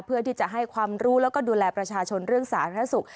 เพื่อที่จะให้ความรู้แล้วก็ดูแลประชาชนเรื่องสาธารณสุข